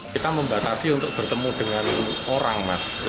kita membatasi untuk bertemu dengan orang mas